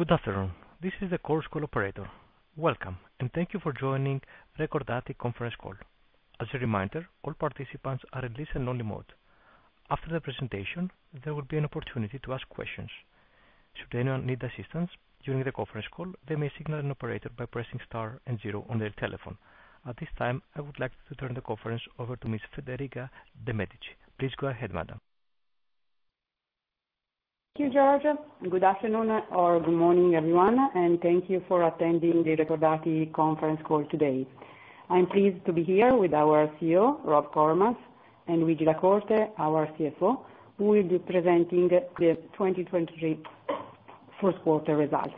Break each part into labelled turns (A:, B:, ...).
A: Good afternoon. This is the Chorus Call operator. Welcome, and thank you for joining Recordati conference call. As a reminder, all participants are in listen-only mode. After the presentation, there will be an opportunity to ask questions. Should anyone need assistance during the conference call, they may signal an operator by pressing star and zero on their telephone. At this time, I would like to turn the conference over to Miss Federica De Medici. Please go ahead, madam.
B: Thank you, George. Good afternoon or good morning, everyone, and thank you for attending the Recordati conference call today. I'm pleased to be here with our CEO, Rob Koremans, and Luigi La Corte, our CFO, who will be presenting the 2023 first quarter results.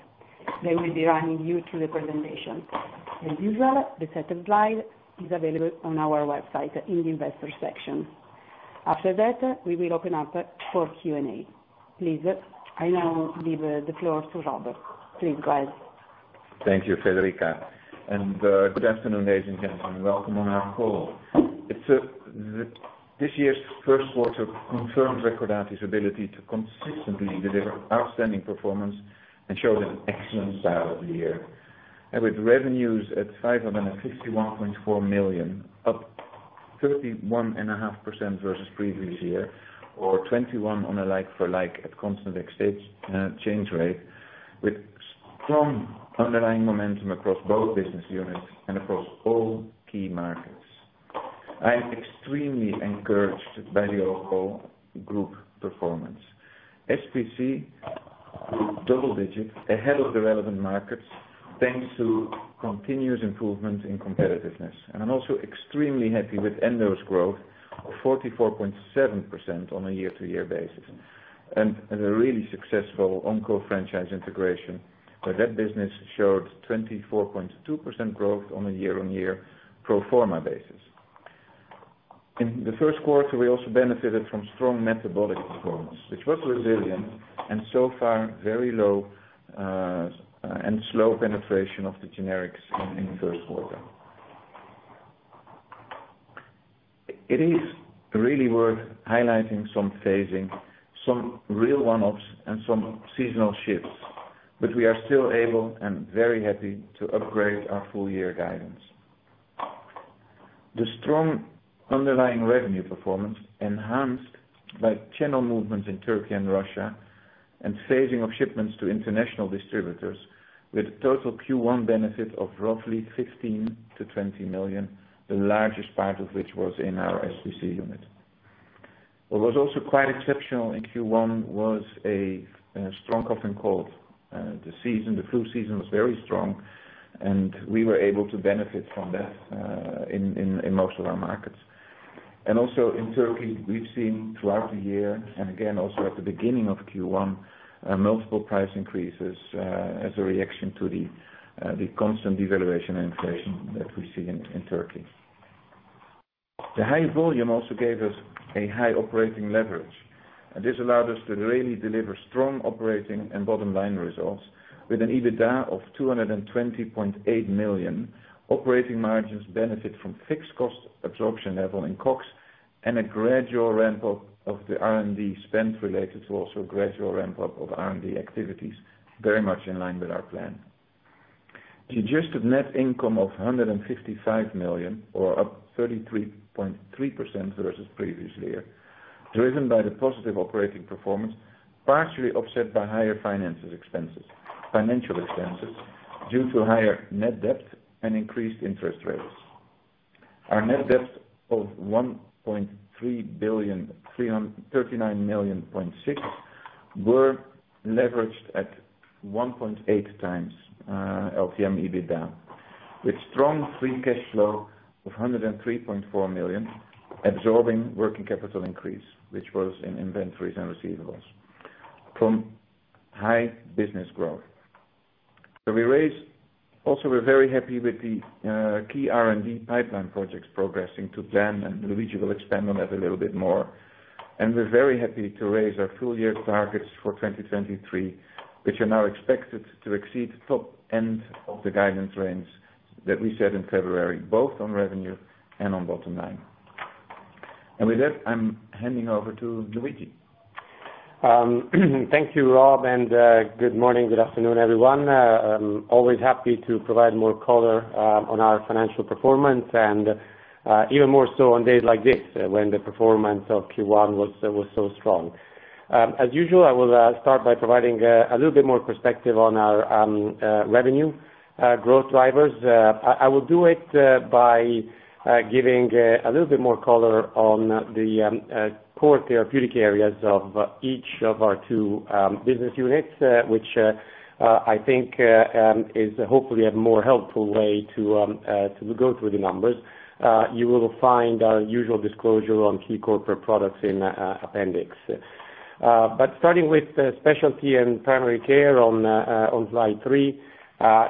B: They will be running you through the presentation. As usual, the set of slides is available on our website in the investor section. After that, we will open up for Q&A. Please, I now leave the floor to Robert. Please go ahead.
C: Thank you, Federica, and good afternoon, ladies and gentlemen. Welcome on our call. This year's first quarter confirmed Recordati's ability to consistently deliver outstanding performance and showed an excellent start of the year. With revenues at 551.4 million, up 31.5% versus previous year or 21% on a like-for-like at constant exchange rate, with strong underlying momentum across both business units and across all key markets. I am extremely encouraged by the overall group performance. SPC grew double digits ahead of the relevant markets, thanks to continuous improvements in competitiveness. I'm also extremely happy with Endocrinology's growth of 44.7% on a year-over-year basis. A really successful onco franchise integration, where that business showed 24.2% growth on a year-over-year pro forma basis. In the first quarter, we also benefited from strong metabolic performance, which was resilient and so far very low and slow penetration of the generics in first quarter. It is really worth highlighting some phasing, some real one-offs, and some seasonal shifts, but we are still able and very happy to upgrade our full year guidance. The strong underlying revenue performance enhanced by channel movements in Turkey and Russia and phasing of shipments to international distributors with a total Q1 benefit of roughly 15 million-20 million, the largest part of which was in our SPC unit. What was also quite exceptional in Q1 was a strong cough and cold the season. The flu season was very strong, and we were able to benefit from that in most of our markets. Also in Turkey, we've seen throughout the year and again also at the beginning of Q1, multiple price increases as a reaction to the constant devaluation and inflation that we see in Turkey. The high volume also gave us a high operating leverage, and this allowed us to really deliver strong operating and bottom-line results with an EBITDA of 220.8 million. Operating margins benefit from fixed cost absorption level in COGS and a gradual ramp-up of the R&D spend related to also gradual ramp-up of R&D activities, very much in line with our plan. Adjusted net income of 155 million or up 33.3% versus previous year, driven by the positive operating performance, partially offset by higher financial expenses due to higher net debt and increased interest rates. Our net debt of 1,339.6 million were leveraged at 1.8 times LTM EBITDA, with strong free cash flow of 103.4 million absorbing working capital increase, which was in inventories and receivables from high business growth. Also, we're very happy with the key R&D pipeline projects progressing to plan, and Luigi will expand on that a little bit more. We're very happy to raise our full-year targets for 2023, which are now expected to exceed top end of the guidance range that we set in February, both on revenue and on bottom line. With that, I'm handing over to Luigi.
D: Thank you, Rob, and good morning, good afternoon, everyone. Always happy to provide more color on our financial performance, and even more so on days like this when the performance of Q1 was so strong. As usual, I will start by providing a little bit more perspective on our revenue growth drivers. I will do it by giving a little bit more color on the core therapeutic areas of each of our two business units, which I think is hopefully a more helpful way to go through the numbers. You will find our usual disclosure on key corporate products in appendix. Starting with Specialty and Primary Care on slide 3,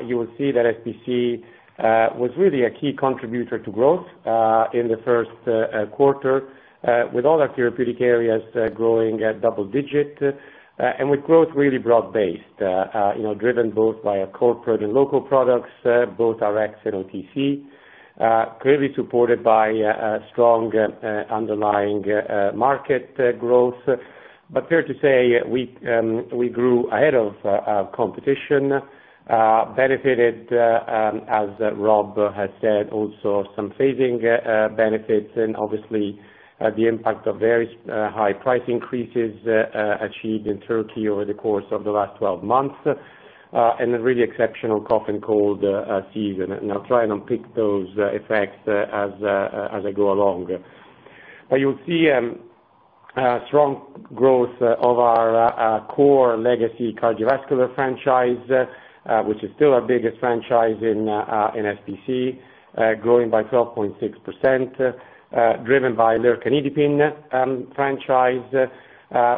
D: you will see that SPC was really a key contributor to growth in the first quarter, with all our therapeutic areas growing at double digit, and with growth really broad-based, you know, driven both by our corporate and local products, both Rx and OTC. Clearly supported by a strong underlying market growth. Fair to say we grew ahead of our competition, benefited as Rob has said, also some phasing benefits and obviously the impact of very high price increases achieved in Turkey over the course of the last 12 months, and a really exceptional cough and cold season. I'll try and unpick those effects as I go along. You'll see strong growth of our core legacy cardiovascular franchise, which is still our biggest franchise in SPC, growing by 12.6%, driven by Lercanidipine franchise,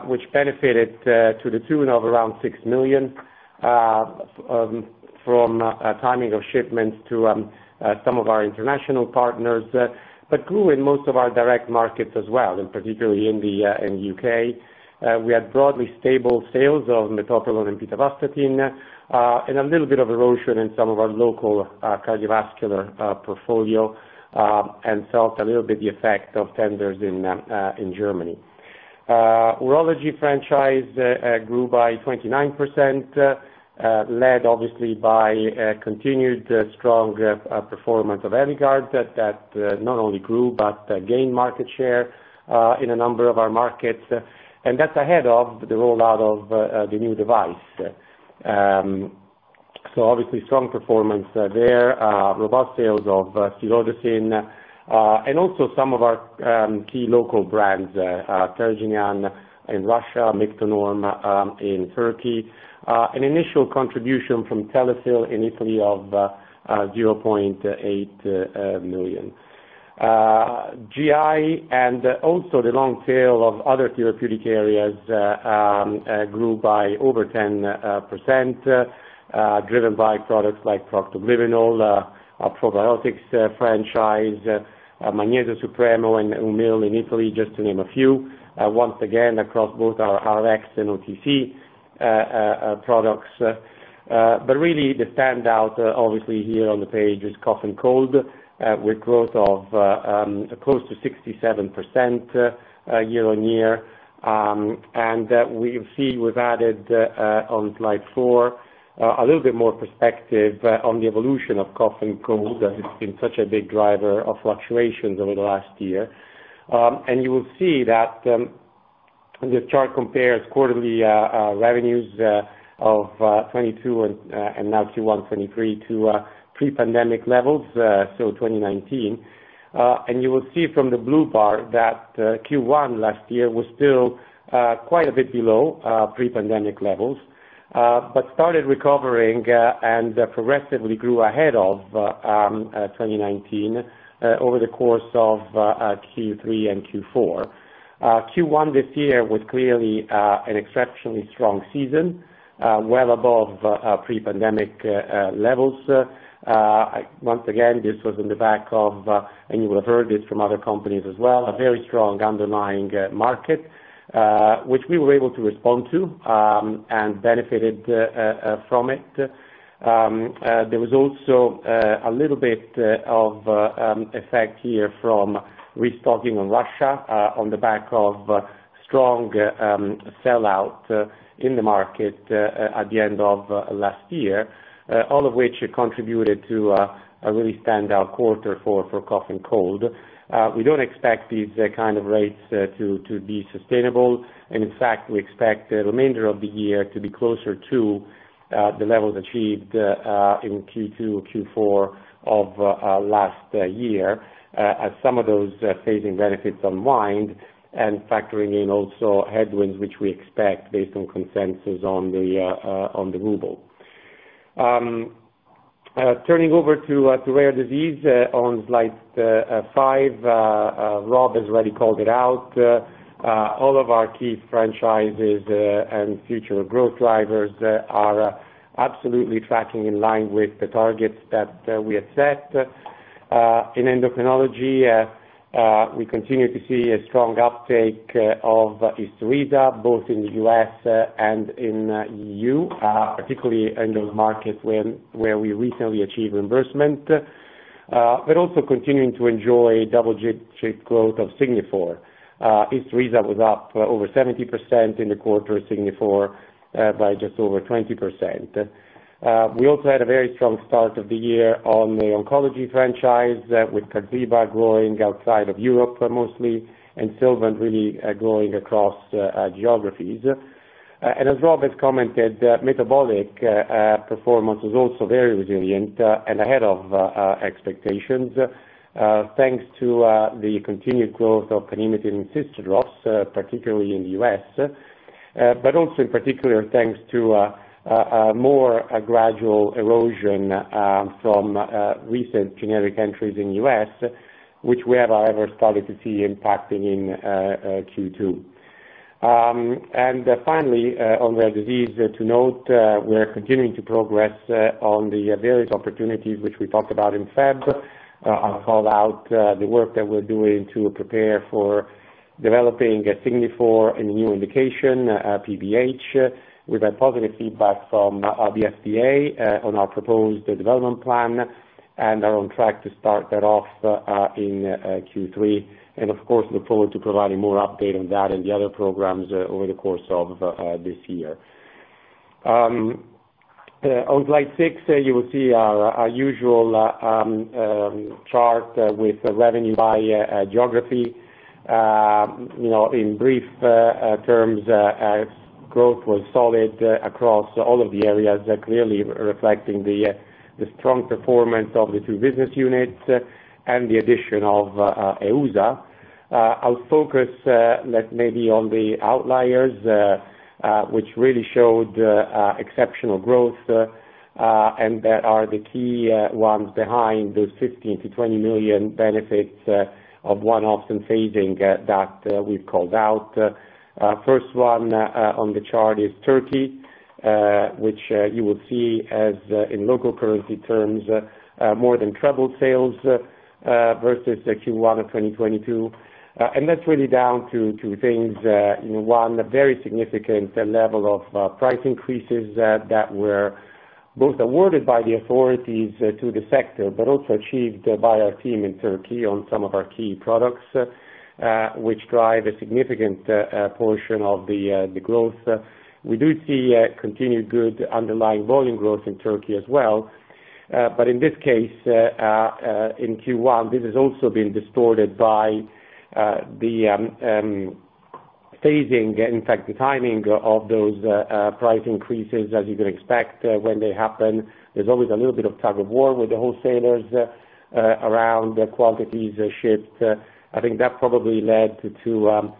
D: which benefited to the tune of around 6 million from timing of shipments to some of our international partners, grew in most of our direct markets as well, and particularly in the U.K. We had broadly stable sales of Metoprolol and Pitavastatin, and a little bit of erosion in some of our local cardiovascular portfolio, and felt a little bit the effect of tenders in Germany. Urology franchise grew by 29%, led obviously by continued strong performance of Avodart that not only grew but gained market share in a number of our markets. That's ahead of the rollout of the new device. So obviously strong performance there. Robust sales of Silodosin and also some of our key local brands, Tergynan in Russia, Miktonorm in Turkey. An initial contribution from Telesil in Italy of 0.8 million. GI and also the long tail of other therapeutic areas grew by over 10%, driven by products like Procto-Glyvenol, our probiotics franchise, Magnesio Supremo and Eumill in Italy, just to name a few, once again across both our Rx and OTC products. Really the standout obviously here on the page is cough and cold, with growth of close to 67% year-over-year. We see we've added on slide 4 a little bit more perspective on the evolution of cough and cold. It's been such a big driver of fluctuations over the last year. You will see that the chart compares quarterly revenues of 2022 and now Q1 2023 to pre-pandemic levels, so 2019. You will see from the blue bar that Q1 last year was still quite a bit below pre-pandemic levels, but started recovering and progressively grew ahead of 2019 over the course of Q3 and Q4. Q1 this year was clearly an exceptionally strong season, well above pre-pandemic levels. Once again, this was on the back of, and you would have heard this from other companies as well, a very strong underlying market, which we were able to respond to, and benefited from it. There was also a little bit of effect here from restocking on Russia, on the back of strong sellout in the market at the end of last year, all of which contributed to a really standout quarter for cough and cold. We don't expect these kind of rates to be sustainable. In fact, we expect the remainder of the year to be closer to the levels achieved in Q2, Q4 of last year, as some of those phasing benefits unwind and factoring in also headwinds, which we expect based on consensus on the ruble. Turning over to rare disease on slide 5. Rob has already called it out. All of our key franchises and future growth drivers are absolutely tracking in line with the targets that we have set. In Endocrinology, we continue to see a strong uptake of Isturisa, both in the U.S. and in E.U., particularly in those markets where we recently achieved reimbursement, but also continuing to enjoy double-digit growth of Signifor. Isturisa was up over 70% in the quarter, Signifor, by just over 20%. We also had a very strong start of the year on the oncology franchise with QARZIBA growing outside of Europe, mostly, and Sylvant really growing across geographies. As Rob has commented, metabolic performance was also very resilient and ahead of expectations, thanks to the continued growth of Carbaglu and Cystadrops, particularly in the U.S., but also in particular, thanks to a more gradual erosion from recent generic entries in U.S., which we have however started to see impacting in Q2. Finally, on rare disease to note, we're continuing to progress on the various opportunities which we talked about in February. I'll call out the work that we're doing to prepare for developing a Signifor in a new indication, PBH. We've had positive feedback from the FDA on our proposed development plan, and are on track to start that off in Q3. Of course, look forward to providing more update on that and the other programs over the course of this year. On slide 6, you will see our usual chart with revenue by geography. You know, in brief terms, as growth was solid across all of the areas, clearly reflecting the strong performance of the two business units, and the addition of EUSA. I'll focus like maybe on the outliers, which really showed exceptional growth, and that are the key ones behind those 15 million-20 million benefits of one-off and phasing that we've called out. First one on the chart is Turkey, which you will see as in local currency terms more than tripled sales versus the Q1 of 2022. That's really down to things, one, very significant level of price increases that were both awarded by the authorities to the sector, but also achieved by our team in Turkey on some of our key products, which drive a significant portion of the growth. We do see continued good underlying volume growth in Turkey as well. In this case, in Q1, this has also been distorted by the phasing, in fact, the timing of those price increases as you can expect when they happen. There's always a little bit of tug-of-war with the wholesalers around the quantities shipped. I think that probably led to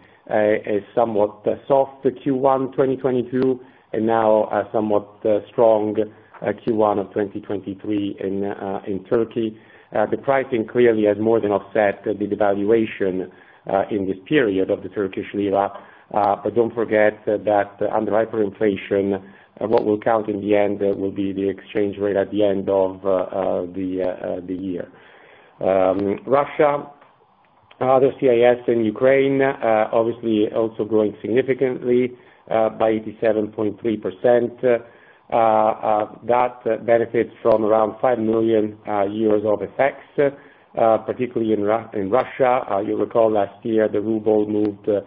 D: somewhat soft Q1 2022, and now a somewhat strong Q1 of 2023 in Turkey. The pricing clearly has more than offset the devaluation in this period of the Turkish lira. Don't forget that under hyperinflation, what will count in the end will be the exchange rate at the end of the year. Russia, other CIS in Ukraine, obviously also growing significantly by 87.3%. that benefits from around 5 million years of effects, particularly in Russia. You'll recall last year, the ruble moved a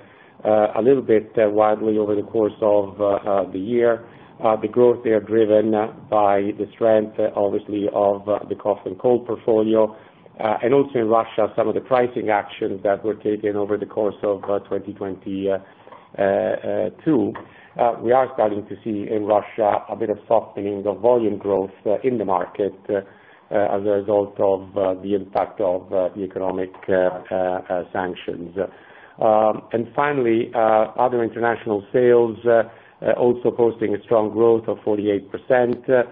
D: little bit widely over the course of the year. The growth there driven by the strength, obviously, of the Cough and Cold portfolio. And also in Russia, some of the pricing actions that were taken over the course of 2022. We are starting to see in Russia a bit of softening of volume growth in the market as a result of the impact of the economic sanctions. Finally, other international sales also posting a strong growth of 48%,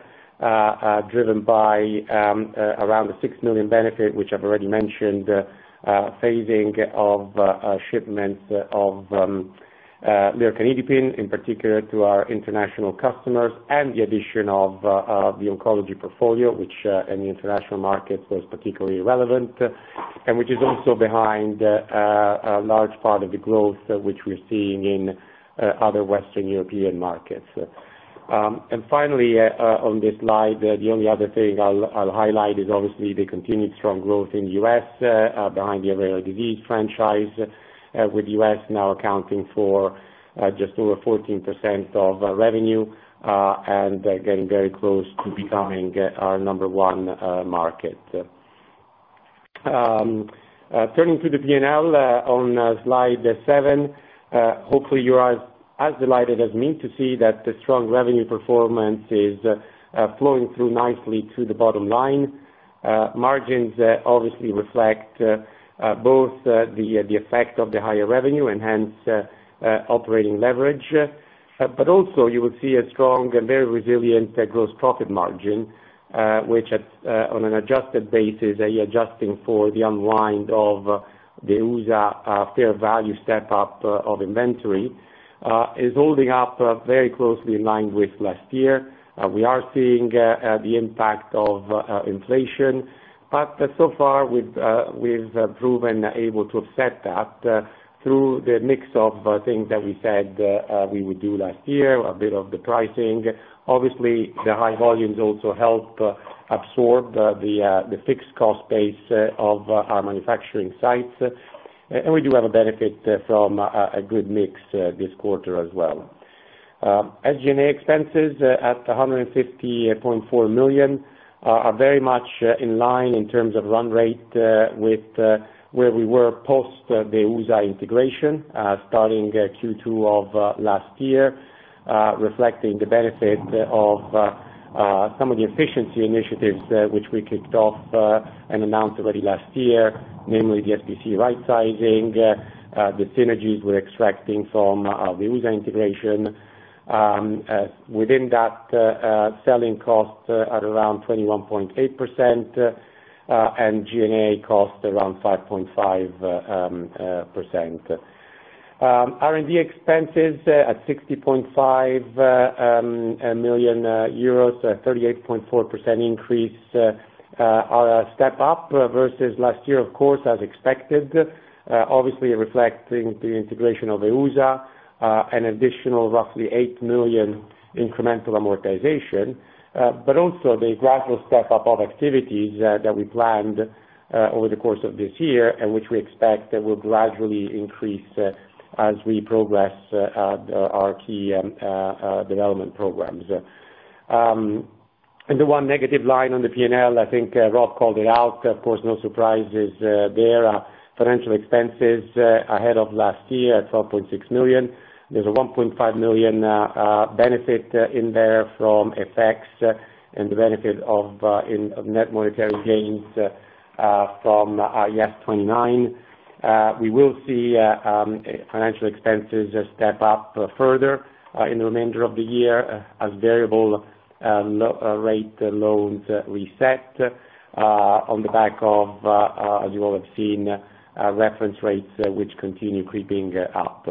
D: driven by around 6 million benefit, which I've already mentioned, phasing of shipments of Lercanidipine, in particular to our international customers, and the addition of the oncology portfolio, which in the international markets was particularly relevant, and which is also behind a large part of the growth which we're seeing in other Western European markets. Finally, on this slide, the only other thing I'll highlight is obviously the continued strong growth in the U.S., behind the rare disease franchise, with U.S. now accounting for just over 14% of revenue, and getting very close to becoming our number 1 market. Turning to the P&L, on slide 7, hopefully you are as delighted as me to see that the strong revenue performance is flowing through nicely to the bottom line. Margins obviously reflect both the effect of the higher revenue and hence operating leverage. Also you will see a strong and very resilient gross profit margin, which at on an adjusted basis, you're adjusting for the unwind of the EUSA fair value step up of inventory, is holding up very closely in line with last year. So far we've proven able to offset that through the mix of things that we said we would do last year, a bit of the pricing. Obviously, the high volumes also help absorb the fixed cost base of our manufacturing sites. We do have a benefit from a good mix this quarter as well. SG&A expenses at 150.4 million are very much in line in terms of run rate with where we were post the EUSA integration, starting Q2 of last year, reflecting the benefit of some of the efficiency initiatives which we kicked off and announced already last year, namely the SPC right sizing, the synergies we're extracting from the EUSA integration. Within that, selling cost at around 21.8% and G&A cost around 5.5%. R&D expenses at 60.5 million euros, a 38.4% increase, step up versus last year, of course, as expected, obviously reflecting the integration of EUSA, an additional roughly 8 million incremental amortization, but also the gradual step up of activities that we planned over the course of this year and which we expect that will gradually increase as we progress our key development programs. The one negative line on the P&L, I think Rob called it out. Of course, no surprises there. Financial expenses ahead of last year at 12.6 million. There's a 1.5 million benefit in there from effects and the benefit of in net monetary gains from IAS 29. We will see financial expenses step up further in the remainder of the year as variable rate loans reset on the back of, as you all have seen, reference rates which continue creeping up.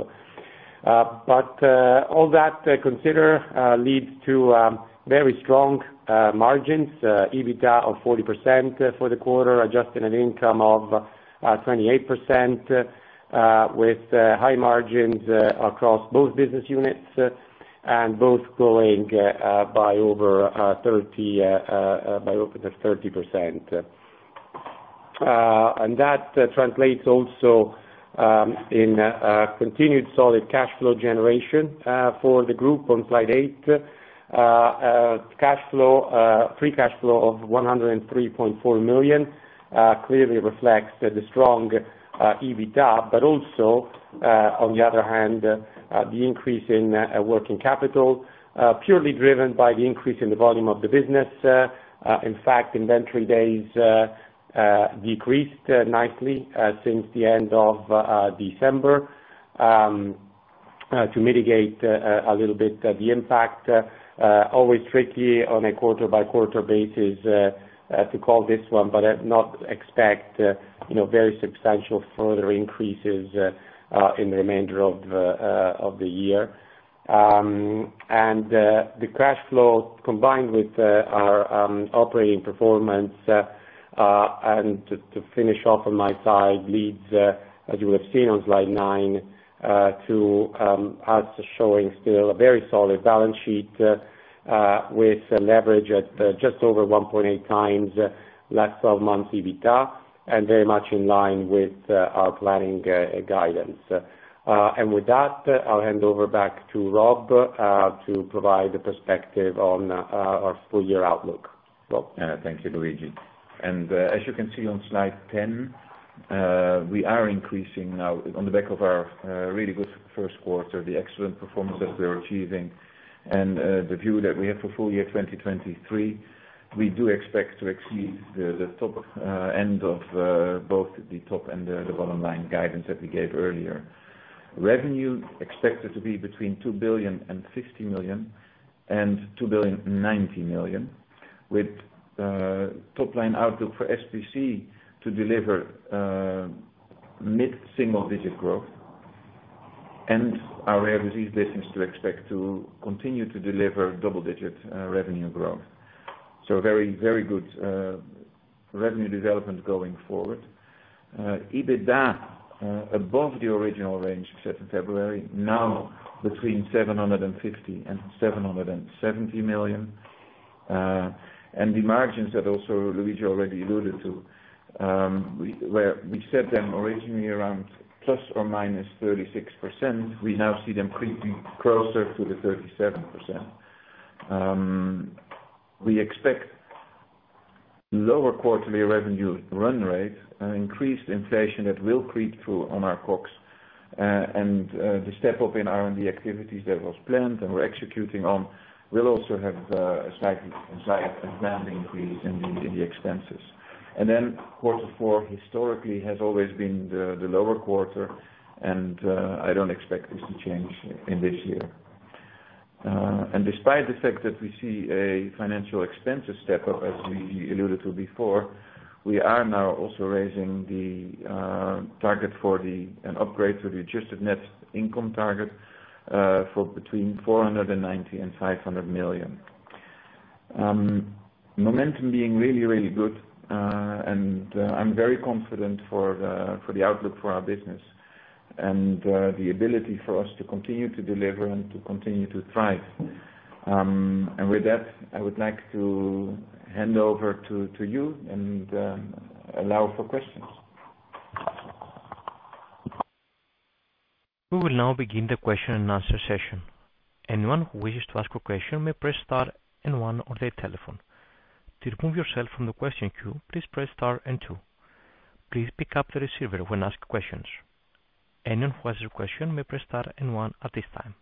D: All that consider leads to very strong margins, EBITDA of 40% for the quarter, adjusted an income of 28%, with high margins across both business units and both growing by over 30%. That translates also in continued solid cash flow generation for the group on slide 8. Cash flow, free cash flow of 103.4 million, clearly reflects the strong EBITDA, but also, on the other hand, the increase in working capital, purely driven by the increase in the volume of the business. In fact, inventory days decreased nicely since the end of December to mitigate a little bit the impact. Always tricky on a quarter by quarter basis to call this one, but not expect, you know, very substantial further increases in the remainder of the year. The cash flow, combined with our operating performance, and to finish off on my side, leads, as you have seen on slide 9, to us showing still a very solid balance sheet, with leverage at just over 1.8 times last 12 months EBITDA and very much in line with our planning guidance. With that, I'll hand over back to Rob to provide a perspective on our full year outlook. Rob.
C: Thank you, Luigi. As you can see on slide 10, we are increasing now on the back of our really good first quarter, the excellent performance that we're achieving and the view that we have for full year 2023, we do expect to exceed the top end of both the top and the bottom line guidance that we gave earlier. Revenue expected to be between 2,050 million and 2,090 million, with top line outlook for SPC to deliver mid-single digit growth and our rare disease business to expect to continue to deliver double-digit revenue growth. Very, very good revenue development going forward. EBITDA above the original range set in February, now between 750 million and 770 million. The margins that also Luigi already alluded to, where we set them originally around 36%±, we now see them creeping closer to the 37%. We expect lower quarterly revenue run rate, increased inflation that will creep through on our costs, and the step up in R&D activities that was planned and we're executing on will also have a slight increase in the expenses. Then quarter four historically has always been the lower quarter, and I don't expect this to change in this year. Despite the fact that we see a financial expenses step up, as we alluded to before, we are now also raising the target for the... an upgrade to the adjusted net income target, for between 490 million and 500 million. Momentum being really, really good, and I'm very confident for the outlook for our business and the ability for us to continue to deliver and to continue to thrive. With that, I would like to hand over to you and allow for questions.
A: We will now begin the question-and-answer session. Anyone who wishes to ask a question may press star and one on their telephone. To remove yourself from the question queue, please press star and two. Please pick up the receiver when asking questions. Anyone who has a question may press star and one at this time.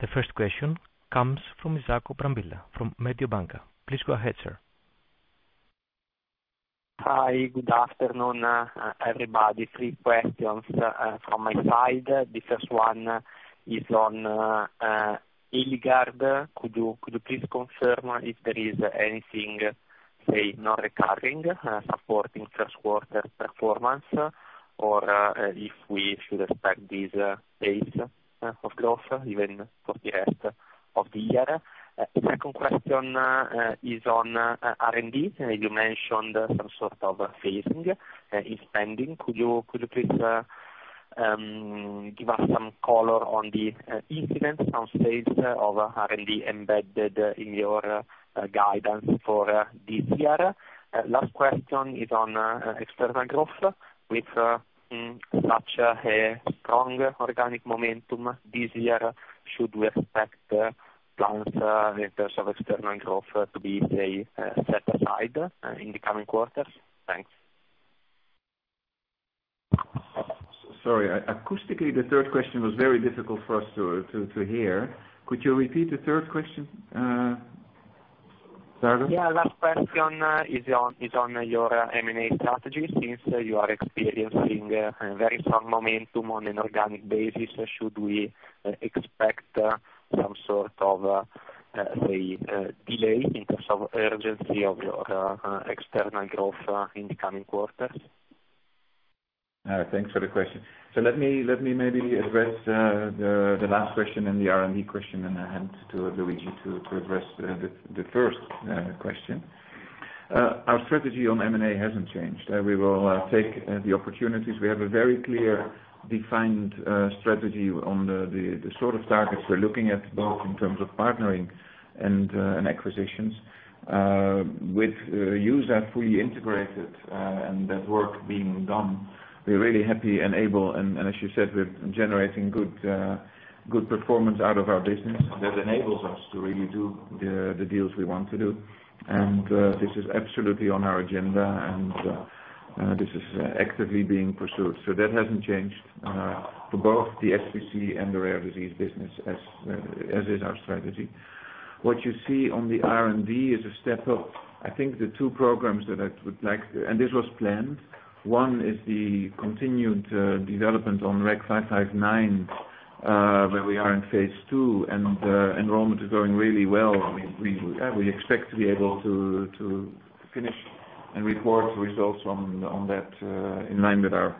A: The first question comes from Isacco Brambilla from Mediobanca. Please go ahead, sir.
E: Hi. Good afternoon, everybody. Three questions from my side. The first one is on Eligard. Could you please confirm if there is anything A non-recurring supporting first quarter performance, or if we should expect this pace of growth even for the rest of the year. Second question is on R&D. You mentioned some sort of phasing in spending. Could you please give us some color on the incident, some phase of R&D embedded in your guidance for this year? Last question is on external growth. With such a strong organic momentum this year, should we expect plans in terms of external growth to be, say, set aside in the coming quarters? Thanks.
C: Sorry. Acoustically, the third question was very difficult for us to hear. Could you repeat the third question, Isacco?
E: Last question is on your M&A strategy. Since you are experiencing very strong momentum on an organic basis, should we expect some sort of, say, delay in terms of urgency of your external growth in the coming quarters?
C: Thanks for the question. Let me maybe address the last question and the R&D question and then hand to Luigi to address the first question. Our strategy on M&A hasn't changed. We will take the opportunities. We have a very clear, defined strategy on the sort of targets we're looking at, both in terms of partnering and acquisitions. With EUSA fully integrated, and that work being done, we're really happy and able, as you said, we're generating good performance out of our business. That enables us to really do the deals we want to do. This is absolutely on our agenda. This is actively being pursued. That hasn't changed for both the SPC and the rare disease business as is our strategy. What you see on the R&D is a step up. I think the two programs that I would like. This was planned. One is the continued development on REC 0559, where we are in phase II, and enrollment is going really well. We expect to be able to finish and report results on that in line with our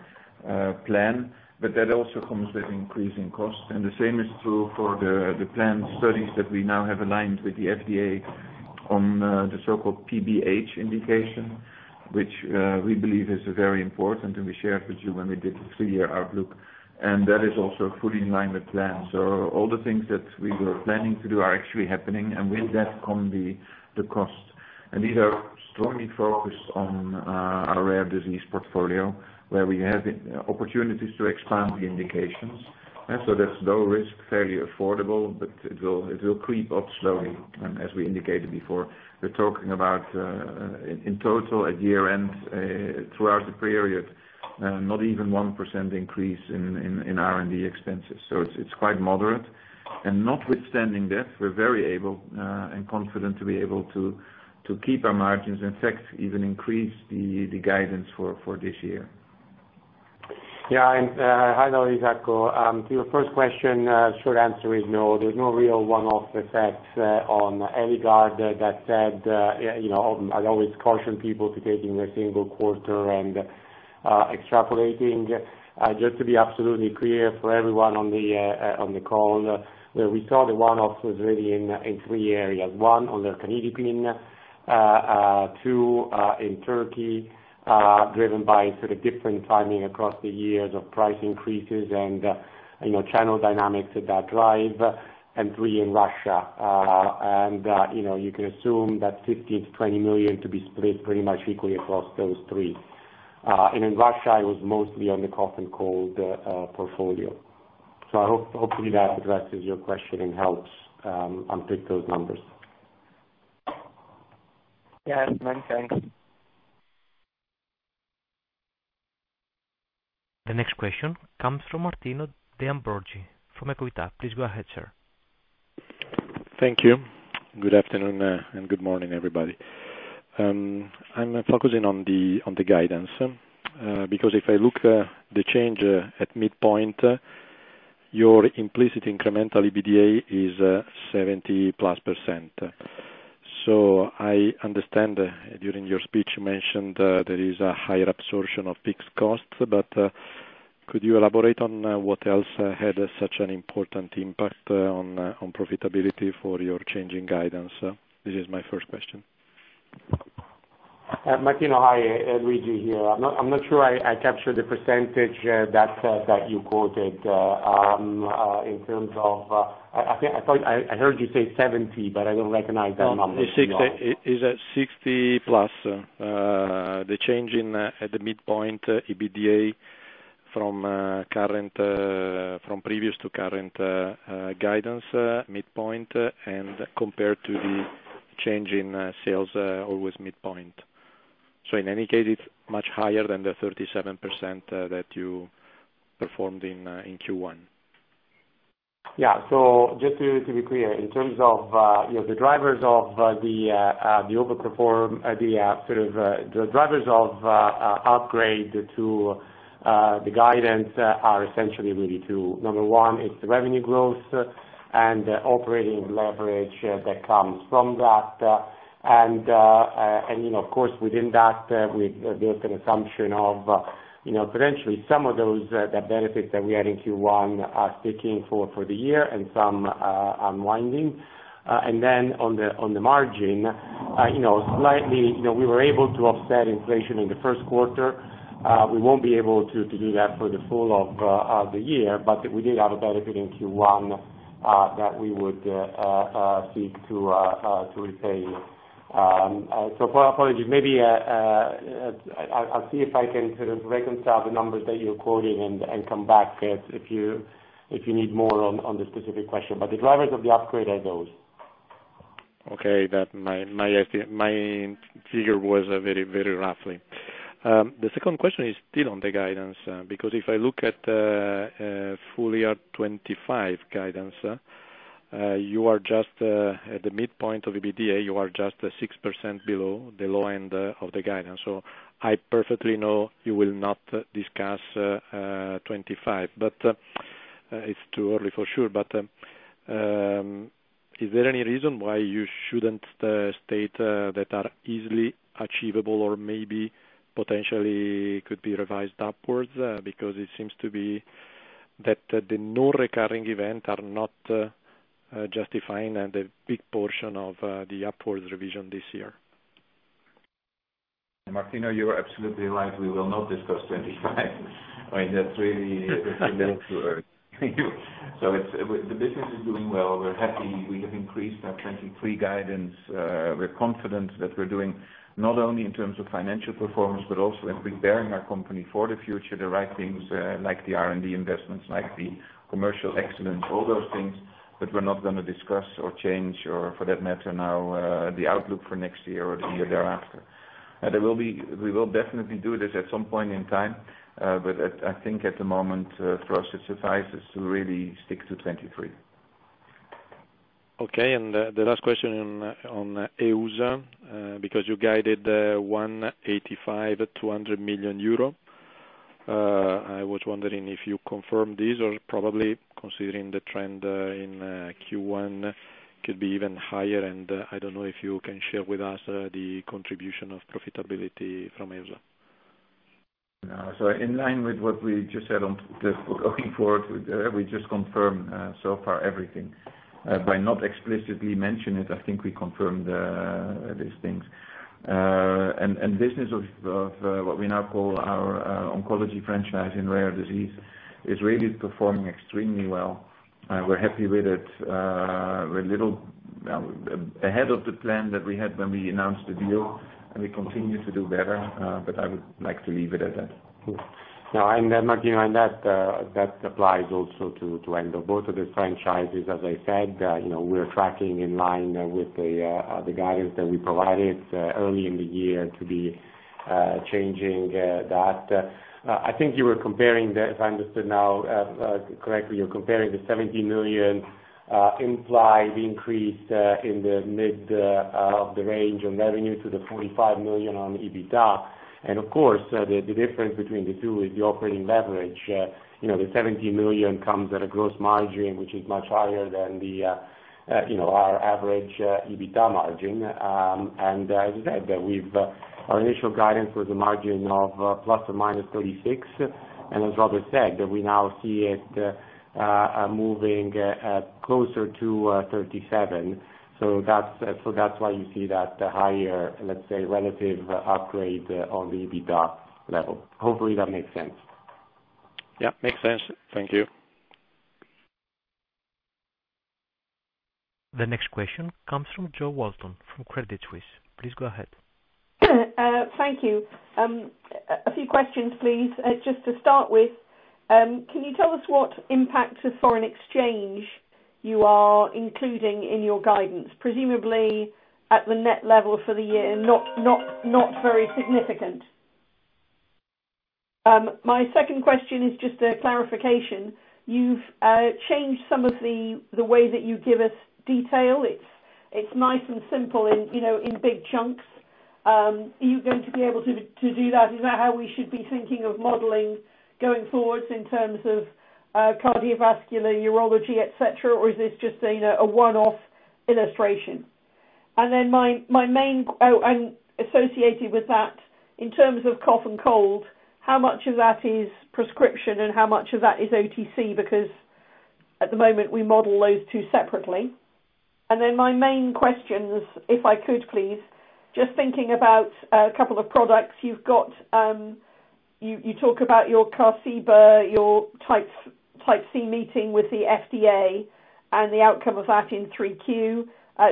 C: plan, but that also comes with increasing costs. The same is true for the planned studies that we now have aligned with the FDA on the so-called BPH indication, which we believe is very important, and we shared with you when we did the three-year outlook, and that is also fully in line with plans. All the things that we were planning to do are actually happening, and with that come the cost. These are strongly focused on our rare disease portfolio, where we have opportunities to expand the indications. There's low risk, fairly affordable, but it will creep up slowly, as we indicated before. We're talking about in total at year-end throughout the period, not even 1% increase in R&D expenses. It's quite moderate. Notwithstanding that, we're very able and confident to be able to keep our margins, in fact, even increase the guidance for this year.
D: Hi there, Isacco. To your first question, short answer is no. There's no real one-off effect on Eligard that said, you know, I'd always caution people to taking a single quarter and extrapolating. Just to be absolutely clear for everyone on the call, where we saw the one-off was really in three areas. One on the Lercanidipine, two in Turkey, driven by sort of different timing across the years of price increases and, you know, channel dynamics that drive, and three in Russia. You can assume that 15 million-20 million to be split pretty much equally across those three. In Russia, it was mostly on the cough and cold portfolio. I hope, hopefully that addresses your question and helps unpick those numbers.
E: Yes. Many thanks.
A: The next question comes from Martino De Ambroggi, from Equita. Please go ahead, sir.
F: Thank you. Good afternoon, and good morning, everybody. I'm focusing on the guidance, because if I look the change at midpoint, your implicit incremental EBITDA is 70%+. I understand during your speech you mentioned there is a higher absorption of fixed costs, but could you elaborate on what else had such an important impact on profitability for your change in guidance? This is my first question.
D: Martino, hi. Luigi here. I'm not sure I captured the percentage that you quoted in terms of. I think I thought I heard you say 70, but I don't recognize that number.
F: 60%+, the change in midpoint EBITDA from previous to current guidance midpoint, and compared to the change in sales, always midpoint. In any case, it is much higher than the 37% that you performed in Q1
D: Just to be clear, in terms of, you know, the drivers of upgrade to the guidance are essentially really two. Number one is the revenue growth and operating leverage that comes from that. And, you know, of course, within that, we've built an assumption of, you know, potentially some of those, the benefits that we had in Q1 are sticking for the year and some unwinding. Then on the margin, you know, slightly, we were able to offset inflation in the first quarter. We won't be able to do that for the full of the year, but we did have a benefit in Q1 that we would seek to repay. So apologies. Maybe I'll see if I can sort of reconcile the numbers that you're quoting and come back if you need more on the specific question. The drivers of the upgrade are those.
F: Okay. That my figure was very, very roughly. The second question is still on the guidance, because if I look at the full year 2025 guidance, you are just at the midpoint of the EBITDA, you are just 6% below the low end of the guidance. I perfectly know you will not discuss 2025, but it's too early for sure. Is there any reason why you shouldn't state that are easily achievable or maybe potentially could be revised upwards? It seems to be that the non-recurring event are not justifying and a big portion of the upwards revision this year.
C: Martino, you are absolutely right. We will not discuss 2025. I mean, that's really too early. The business is doing well. We're happy we have increased our 2023 guidance. We're confident that we're doing not only in terms of financial performance, but also in preparing our company for the future, the right things, like the R&D investments, like the commercial excellence, all those things that we're not gonna discuss or change or for that matter now, the outlook for next year or the year thereafter. We will definitely do this at some point in time, but I think at the moment, for us it suffices to really stick to 2023.
F: Okay. The last question on EUSA, because you guided 185 million-200 million euro. I was wondering if you confirm this or probably considering the trend in Q1 could be even higher. I don't know if you can share with us the contribution of profitability from EUSA.
C: In line with what we just said on just looking forward, we just confirmed so far everything. By not explicitly mentioning it, I think we confirmed these things. Business of what we now call our oncology franchise in rare disease is really performing extremely well. We're happy with it. We're a little ahead of the plan that we had when we announced the deal, and we continue to do better. I would like to leave it at that.
D: Martino on that applies also to endo. Both of the franchises, as I said, you know, we're tracking in line with the guidance that we provided early in the year to be changing that. I think you were comparing the if I understood now correctly, you're comparing the 17 million implied increase in the mid of the range on revenue to the 45 million on EBITDA. Of course, the difference between the two is the operating leverage. You know, the 17 million comes at a gross margin, which is much higher than the, you know, our average EBITDA margin. As you said, we've our initial guidance was a margin of 36%±. As Rob said, we now see it moving closer to 37. That's why you see that higher, let's say, relative upgrade on the EBITDA level. Hopefully that makes sense.
F: Yeah, makes sense. Thank you.
A: The next question comes from Jo Walton from Credit Suisse. Please go ahead.
G: Thank you. A few questions, please. Just to start with, can you tell us what impact of foreign exchange you are including in your guidance, presumably at the net level for the year, not very significant? My second question is just a clarification. You've changed some of the way that you give us detail. It's nice and simple in, you know, in big chunks. Are you going to be able to do that? Is that how we should be thinking of modeling going forwards in terms of cardiovascular, urology, et cetera? Or is this just a one-off illustration? Then my main... Associated with that, in terms of cough and cold, how much of that is prescription and how much of that is OTC? Because at the moment, we model those two separately. My main questions, if I could please, just thinking about a couple of products you've got. You talk about your Qarziba, your Type C meeting with the FDA and the outcome of that in 3Q.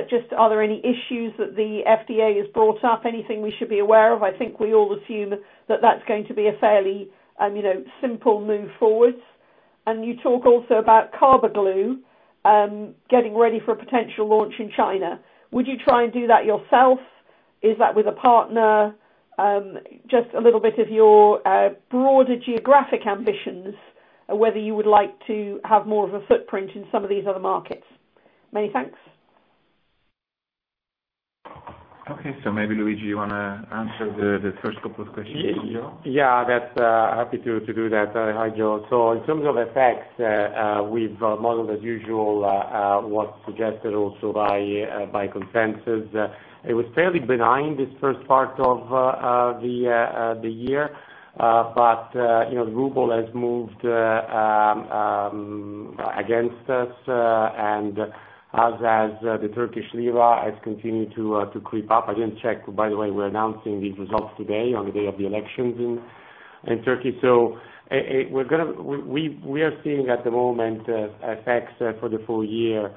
G: Just are there any issues that the FDA has brought up? Anything we should be aware of? I think we all assume that that's going to be a fairly, you know, simple move forward. You talk also about Carbaglu getting ready for a potential launch in China. Would you try and do that yourself? Is that with a partner? Just a little bit of your broader geographic ambitions and whether you would like to have more of a footprint in some of these other markets. Many thanks.
C: Okay. Maybe Luigi, you wanna answer the first couple of questions from Jo?
D: Yeah, that's happy to do that. Hi, Jo. In terms of effects, we've modeled as usual, what's suggested also by consensus. It was fairly benign, this first part of the year. You know, the ruble has moved against us, and as has the Turkish lira has continued to creep up. I didn't check. By the way, we're announcing these results today, on the day of the elections in Turkey. We are seeing at the moment effects for the full year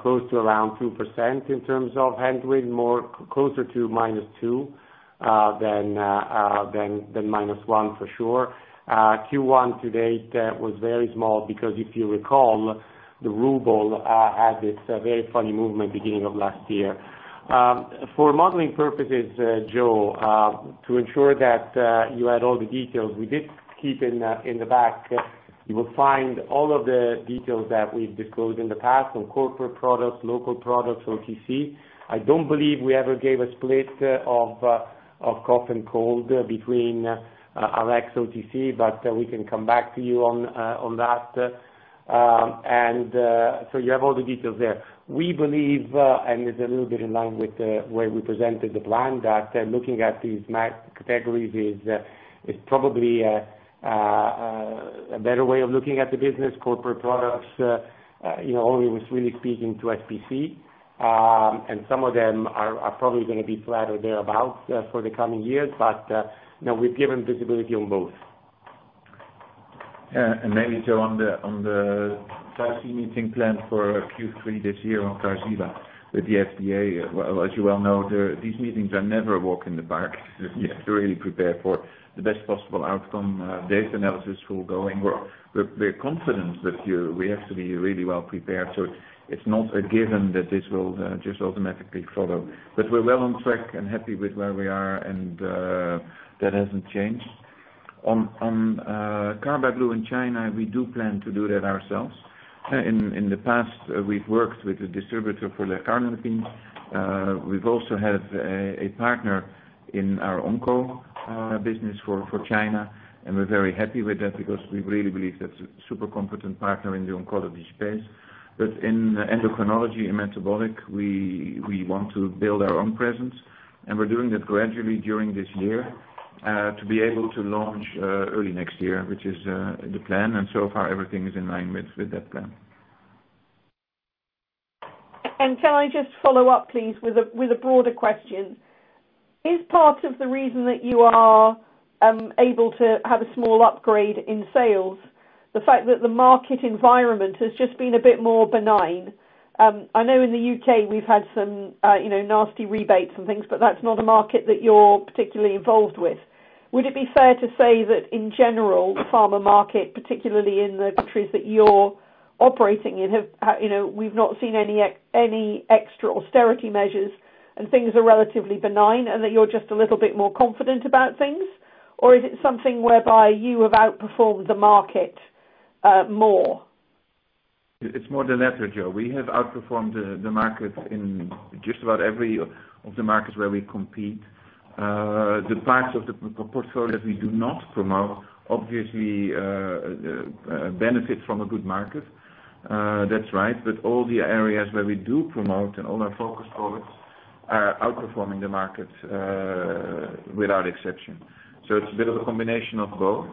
D: close to around 2% in terms of headwind, more closer to -2 than -1 for sure. Q1 to date was very small because if you recall, the ruble had this very funny movement beginning of last year. For modeling purposes, Jo, to ensure that you had all the details, we did keep in the back, you will find all of the details that we've disclosed in the past on corporate products, local products, OTC. I don't believe we ever gave a split of cough and cold between Rx, OTC, but we can come back to you on that. So you have all the details there. We believe, and it's a little bit in line with where we presented the plan, that looking at these MA categories is probably a better way of looking at the business. Corporate products, you know, only was really speaking to SPC. Some of them are probably gonna be flat or thereabout for the coming years. You know, we've given visibility on both.
C: Maybe Jo, on the filing meeting planned for Q3 this year on Tarceva with the FDA. as you well know, these meetings are never a walk in the park. You have to really prepare for the best possible outcome. data analysis is all going well. We're confident, but we have to be really well prepared, so it's not a given that this will just automatically follow. we're well on track and happy with where we are and that hasn't changed. Carbaglu in China, we do plan to do that ourselves. in the past, we've worked with a distributor for Lercanidipine. We've also had a partner in our onco business for China. We're very happy with that because we really believe that's a super competent partner in the oncology space. In endocrinology and metabolic, we want to build our own presence, and we're doing that gradually during this year to be able to launch early next year, which is the plan. So far everything is in line with that plan.
G: Can I just follow up please with a broader question? Is part of the reason that you are able to have a small upgrade in sales, the fact that the market environment has just been a bit more benign? I know in the U.K. we've had some, you know, nasty rebates and things, but that's not a market that you're particularly involved with. Would it be fair to say that in general, the pharma market, particularly in the countries that you're operating in, have, you know, we've not seen any extra austerity measures and things are relatively benign and that you're just a little bit more confident about things? Or is it something whereby you have outperformed the market more?
C: It's more the latter, Jo. We have outperformed the market in just about every of the markets where we compete. The parts of the portfolio that we do not promote, obviously, benefit from a good market. That's right. All the areas where we do promote and all our focus products are outperforming the market, without exception. It's a bit of a combination of both.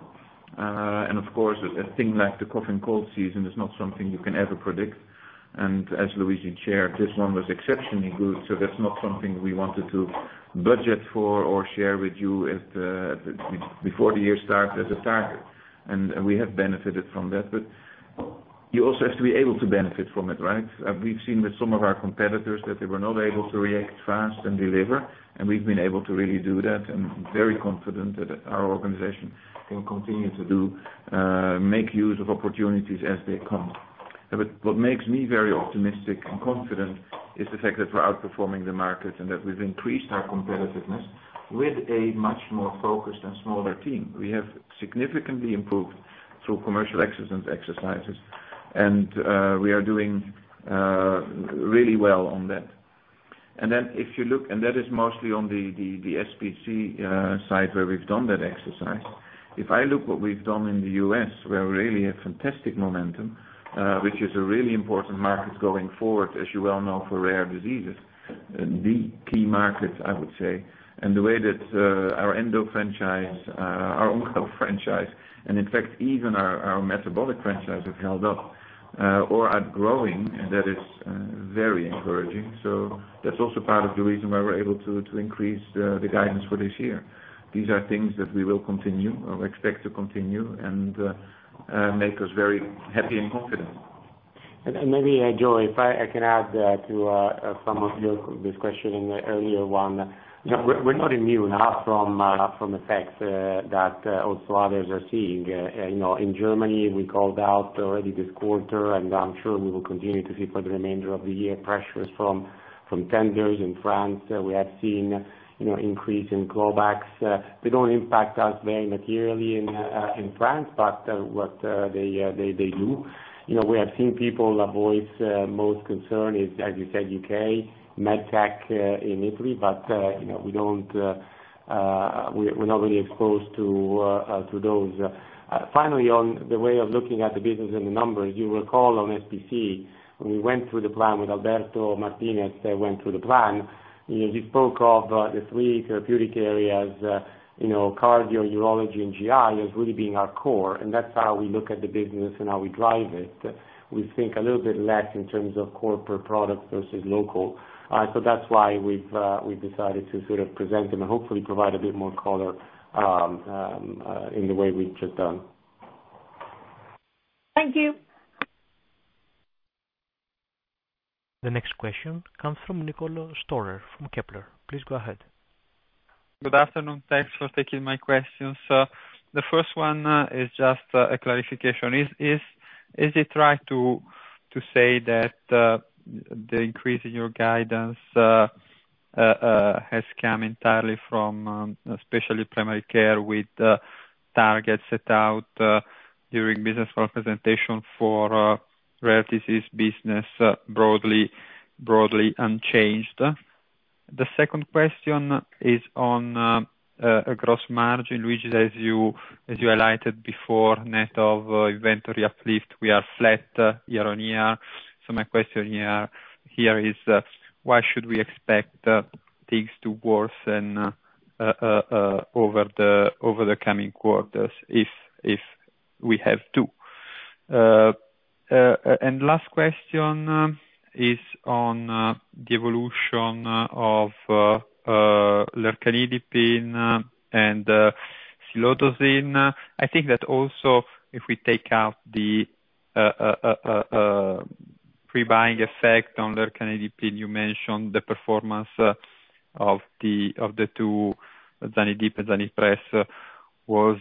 C: Of course a thing like the cough and cold season is not something you can ever predict, and as Luigi shared, this one was exceptionally good, so that's not something we wanted to budget for or share with you at the before the year start as a target. We have benefited from that. You also have to be able to benefit from it, right? We've seen with some of our competitors that they were not able to react fast and deliver, and we've been able to really do that and very confident that our organization can continue to do, make use of opportunities as they come. What makes me very optimistic and confident is the fact that we're outperforming the market and that we've increased our competitiveness with a much more focused and smaller team. We have significantly improved through commercial excellence exercises, and we are doing really well on that. If you look. That is mostly on the SPC side where we've done that exercise. If I look what we've done in the U.S., where really a fantastic momentum, which is a really important market going forward, as you well know, for rare diseases. The key markets I would say, the way that our endocrinology franchise, our onco franchise and in fact even our metabolic franchise have held up, or are growing, that is, very encouraging. That's also part of the reason why we're able to increase the guidance for this year. These are things that we will continue or expect to continue and make us very happy and confident.
D: Maybe, Joe, if I can add to some of your this question in the earlier one. We're not immune from effects that also others are seeing. You know, in Germany, we called out already this quarter, and I'm sure we will continue to see for the remainder of the year pressures from tenders. In France, we have seen, you know, increase in clawbacks. They don't impact us very materially in France, but what they do. You know, we have seen people avoid, most concern is, as you said, U.K., MedTech, in Italy, but you know, we don't we're not really exposed to those. Finally, on the way of looking at the business and the numbers, you recall on SPC, when we went through the plan with Alberto Martinez, went through the plan, you know, we spoke of the three therapeutic areas, you know, cardio, urology, and GI as really being our core, and that's how we look at the business and how we drive it. We think a little bit less in terms of core per product versus local. That's why we've decided to sort of present them and hopefully provide a bit more color in the way we've just done.
G: Thank you.
A: The next question comes from Nicolò Storer from Kepler. Please go ahead.
H: Good afternoon. Thanks for taking my questions. The first one is just a clarification. Is it right to say that the increase in your guidance has come entirely from Specialty and Primary Care with targets set out during business representation for rare disease business, broadly unchanged? The second question is on gross margin, which as you highlighted before, net of inventory uplift, we are flat year-on-year. My question here is why should we expect things to worsen over the coming quarters if we have to? Last question is on the evolution of lercanidipine and silodosin. I think that also, if we take out the pre-buying effect on Lercanidipine, you mentioned the performance of the two, Zanidip and Zanipress was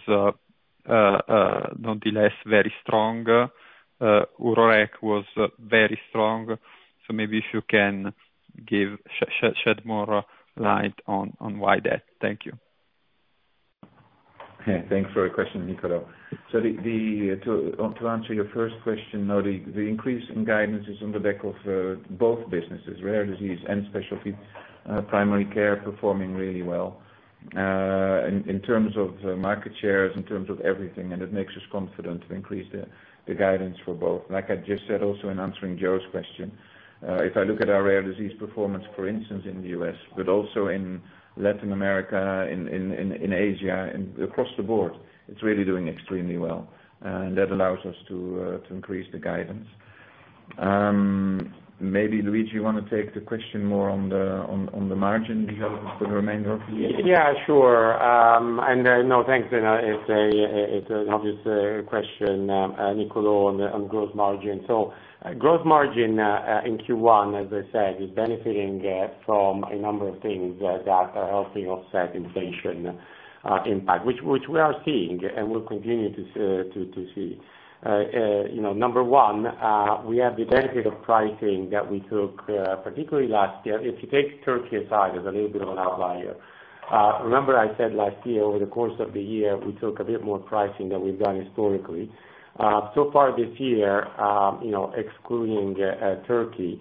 H: nonetheless very strong. Urorec was very strong. Maybe if you can shed more light on why that. Thank you.
D: Yeah. Thanks for the question, Nicolo. The increase in guidance is on the back of both businesses, Rare Disease and Specialty Primary Care performing really well, in terms of market shares, in terms of everything, and it makes us confident to increase the guidance for both. Like I just said also in answering Joe's question, if I look at our Rare Disease performance, for instance, in the U.S., but also in Latin America, in Asia, and across the board, it's really doing extremely well, and that allows us to increase the guidance. Maybe, Luigi, you wanna take the question more on the margin because of the remainder of the year? Yeah, sure. No, thanks. It's an obvious question, Nicolò, on gross margin. Gross margin in Q1, as I said, is benefiting from a number of things that are helping offset inflation impact, which we are seeing and will continue to see. You know, number one, we have the benefit of pricing that we took particularly last year. If you take Turkey aside as a little bit of an outlier, remember I said last year, over the course of the year, we took a bit more pricing than we've done historically. Far this year, you know, excluding Turkey,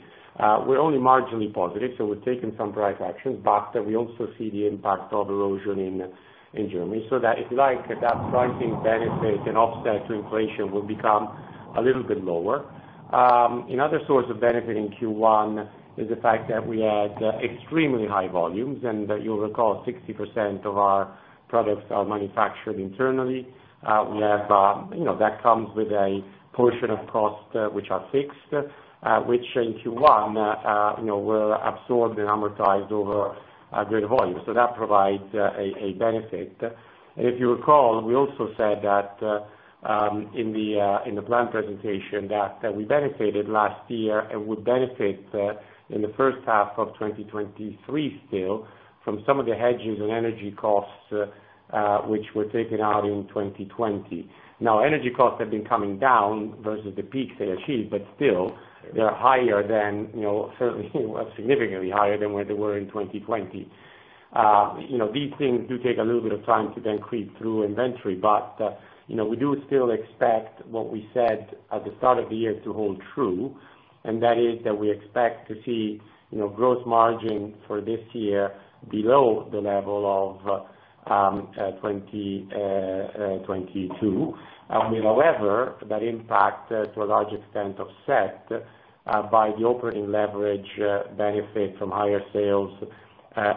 D: we're only marginally positive, so we've taken some price actions, but we also see the impact of erosion in Germany. That it's like that pricing benefit and offset to inflation will become a little bit lower. Another source of benefit in Q1 is the fact that we had extremely high volumes, and you'll recall 60% of our products are manufactured internally. We have, you know, that comes with a portion of cost, which are fixed, which in Q1, you know, were absorbed and amortized over a greater volume. That provides a benefit. If you recall, we also said that in the plan presentation that we benefited last year and would benefit in the first half of 2023 still from some of the hedges and energy costs, which were taken out in 2020. Energy costs have been coming down versus the peaks they achieved, but still, they're higher than, you know, certainly, well, significantly higher than where they were in 2020. You know, these things do take a little bit of time to then creep through inventory, but, you know, we do still expect what we said at the start of the year to hold true, and that is that we expect to see, you know, gross margin for this year below the level of 2022. However, that impact to a large extent, offset by the operating leverage benefit from higher sales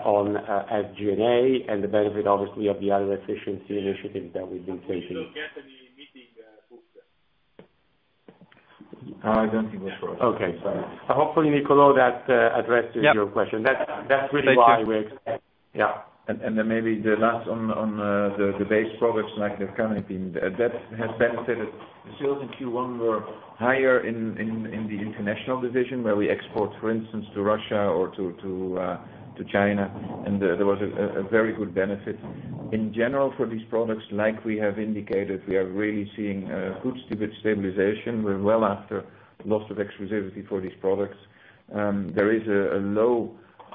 D: on SG&A and the benefit, obviously, of the other efficiency initiatives that we've been taking.
H: You still get the meeting.
C: No, I don't think that's for us.
D: Okay. Hopefully, Nicolò, that addresses your question.
H: Yep.
D: That's really why we expect. Yeah.
C: Then maybe the last on the base products like Lercanidipine. That has benefited. Sales in Q1 were higher in the international division, where we export, for instance, to Russia or to China. There was a very good benefit. In general, for these products like we have indicated, we are really seeing good stabilization well after loss of exclusivity for these products.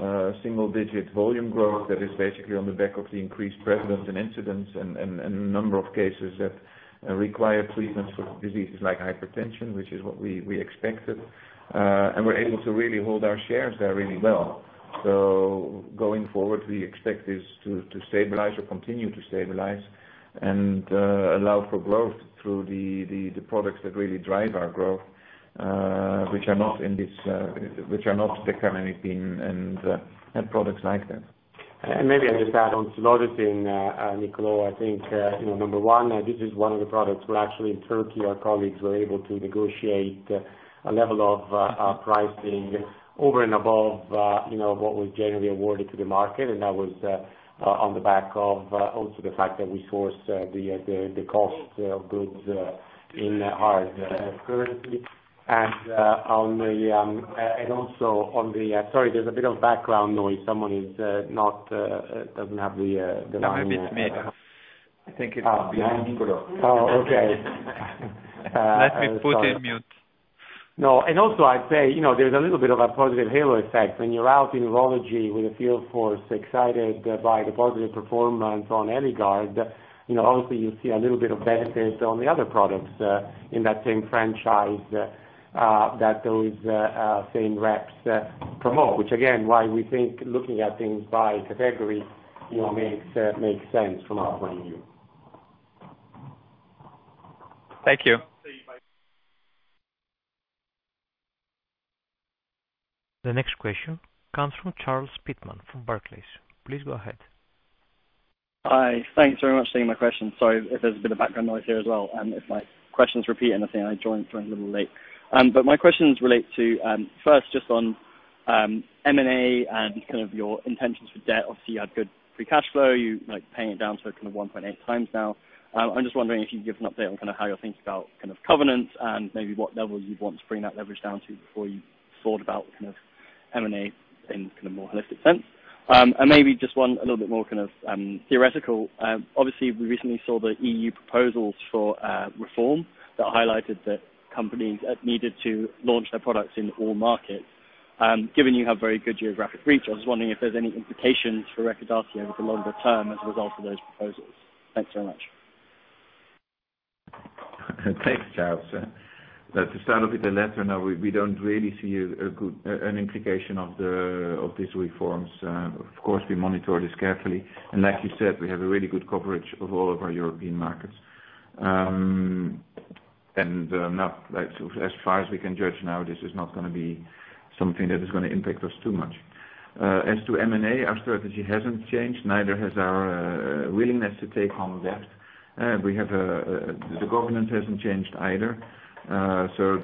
C: There is a low single-digit volume growth that is basically on the back of the increased prevalence and incidents and number of cases that require treatment for diseases like hypertension, which is what we expected. We're able to really hold our shares there really well. going forward, we expect this to stabilize or continue to stabilize and allow for growth through the products that really drive our growth, which are not in this, which are not Lercanidipine and products like that.
D: Maybe I just add on to the other thing, Nicolò. I think, you know, number one, this is one of the products where actually in Turkey, our colleagues were able to negotiate a level of pricing over and above, you know, what was generally awarded to the market. That was on the back of also the fact that we source the cost goods in hard currency. On the and also on the... Sorry, there's a bit of background noise. Someone is not doesn't have the line...
H: No, maybe it's me.
C: I think it might be Nicolò.
D: Oh, okay.
H: Let me put it in mute.
D: No. Also I'd say, you know, there's a little bit of a positive halo effect. When you're out in urology with a field force excited by the positive performance on Eligard, you know, obviously you see a little bit of benefit on the other products in that same franchise that those same reps promote, which again, why we think looking at things by category, you know, makes sense from our point of view.
H: Thank you.
C: See you. Bye.
A: The next question comes from Charles Pitman from Barclays. Please go ahead.
I: Hi. Thanks very much for taking my question. Sorry if there's a bit of background noise here as well. If my questions repeat anything, I joined a little late. My questions relate to, first just on M&A and kind of your intentions for debt. Obviously, you had good free cash flow. You like paying it down to kind of 1.8 times now. I'm just wondering if you can give an update on kind of how you're thinking about kind of covenants and maybe what level you'd want to bring that leverage down to before you thought about kind of M&A in kind of more holistic sense. Maybe just one a little bit more kind of theoretical. Obviously, we recently saw the EU proposals for reform that highlighted that companies needed to launch their products in all markets. Given you have very good geographic reach, I was just wondering if there's any implications for Recordati over the longer term as a result of those proposals. Thanks so much.
C: Thanks, Charles. To start off with the latter, no, we don't really see an implication of these reforms. Of course, we monitor this carefully. Like you said, we have a really good coverage of all of our European markets, and, not, like, so as far as we can judge now, this is not gonna be something that is gonna impact us too much. As to M&A, our strategy hasn't changed, neither has our willingness to take on debt. We have, the governance hasn't changed either. So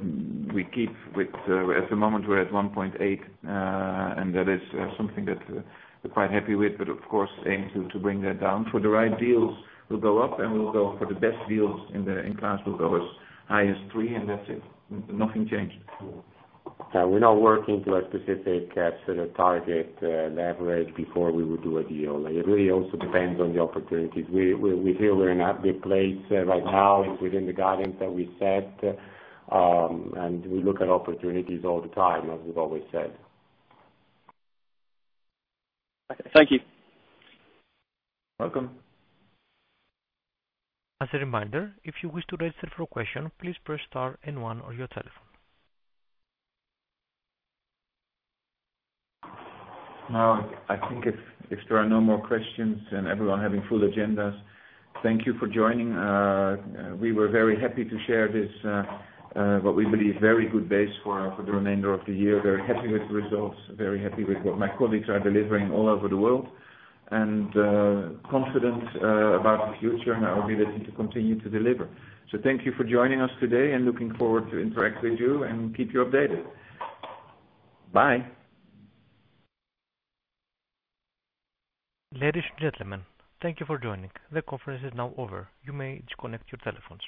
C: we keep with, at the moment we're at 1.8, and that is something that we're quite happy with, but of course, aim to bring that down. For the right deals, we'll go up and we'll go for the best deals in class with others. High as three, and that's it. Nothing changed at all.
D: We're not working to a specific, sort of target, leverage before we would do a deal. It really also depends on the opportunities. We feel we're in a good place, right now within the guidance that we set. We look at opportunities all the time, as we've always said.
I: Thank you.
D: Welcome.
A: As a reminder, if you wish to register for a question, please press star and one on your telephone.
C: I think if there are no more questions and everyone having full agendas, thank you for joining. We were very happy to share this, what we believe very good base for the remainder of the year. Very happy with the results, very happy with what my colleagues are delivering all over the world, and confident about the future and our ability to continue to deliver. Thank you for joining us today and looking forward to interact with you and keep you updated. Bye.
A: Ladies and gentlemen, thank you for joining. The conference is now over. You may disconnect your telephones.